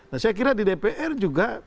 nah saya kira di dpr juga